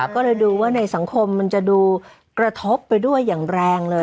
ก็เลยดูว่าในสังคมมันจะดูกระทบไปด้วยอย่างแรงเลย